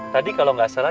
tadi kalau gak salah